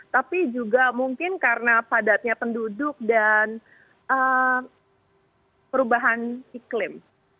tapi juga mungkin karena padatnya penduduk dan perubahan iklim